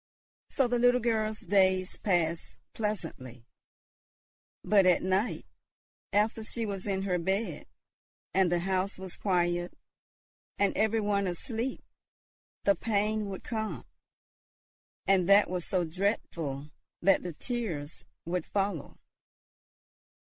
So the little girl's days passed pleasantly. But at night, after she was in her bed, and the house was quiet, and every one asleep, the pain would come, and that was so dreadful that the tears would follow.